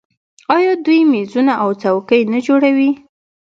آیا دوی میزونه او څوکۍ نه جوړوي؟